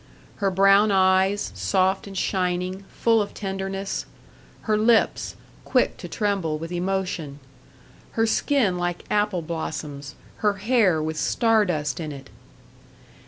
Her brown eyes, soft and shining, full of tenderness; her lips, quick to tremble with emotion; her skin like apple blossoms, her hair with star dust in it!